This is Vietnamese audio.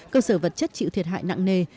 cơ sở vật chất chịu thiệt hại nặng nề